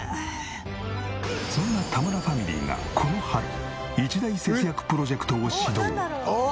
そんな田村ファミリーがこの春一大節約プロジェクトを始動。